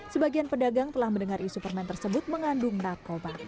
sebagian pedagang telah mendengar isu permen tersebut mengandung narkoba